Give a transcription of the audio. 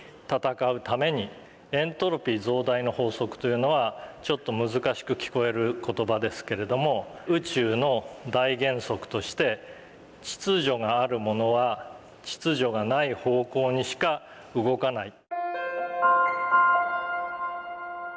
エントロピー増大の法則というのはちょっと難しく聞こえる言葉ですけれども宇宙の大原則として秩序があるものは秩序がない方向にしか動かない。